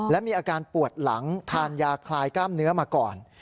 และมีอาการปวดหลังทานยาคลายกล้ามเนื้อมาก่อน